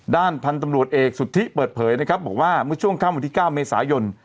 ด้านพันธ์ตำรวจเอกสุธิเปิดเผยบอกว่าเมื่อช่วงคว๙มญิสายน